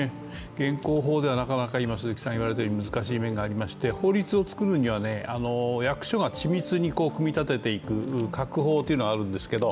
現行法ではなかなか今、難しい面がありまして法律をつくるには役所が緻密に組み立てていくカクホウというのがあるんですけど、